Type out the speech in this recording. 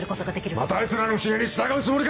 またあいつらの指令に従うつもりか！